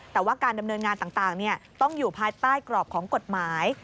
แต่ว่าการดำเนินงานต่างต้องอยู่ภายใต้กรอบของกฎหมาย